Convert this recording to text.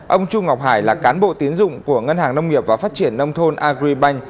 ông trung ngọc hải là cán bộ tiến dụng của ngân hàng nông nghiệp và phát triển nông thôn agribank